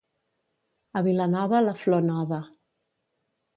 A Vilanova, la flor nova.